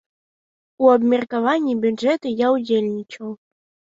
У абмеркаванні бюджэту я ўдзельнічаў.